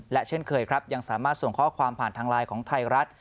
และเช่นเคยครับยังสามารถส่งข้อความผ่านทางไลน์ของไทยรัฐ